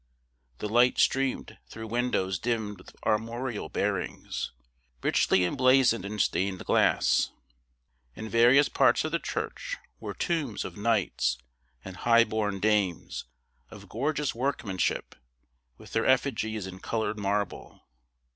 The light streamed through windows dimmed with armorial bearings, richly emblazoned in stained glass. In various parts of the church were tombs of knights, and highborn dames, of gorgeous workmanship, with their effigies in colored marble.